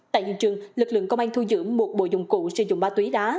tại hiện trường lực lượng công an thu giữ một bộ dụng cụ sử dụng ma túy đá